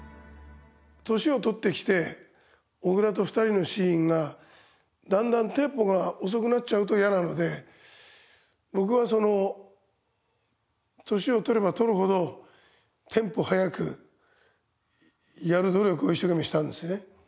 年を取ってきて小倉と２人のシーンがだんだんテンポが遅くなっちゃうと嫌なので僕はその年を取れば取るほどテンポ速くやる努力を一生懸命したんですね。